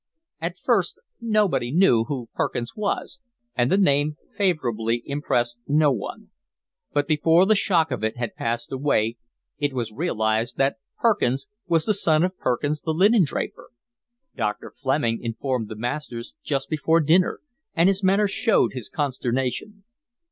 At first nobody knew who Perkins was, and the name favourably impressed no one; but before the shock of it had passed away, it was realised that Perkins was the son of Perkins the linendraper. Dr. Fleming informed the masters just before dinner, and his manner showed his consternation.